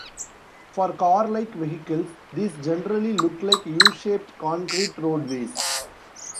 For car-like vehicles these generally look like U-shaped concrete roadways.